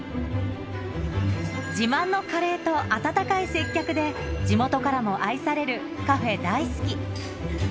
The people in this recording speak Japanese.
自慢のカレーと温かい接客で、地元からも愛されるカフェ大好き。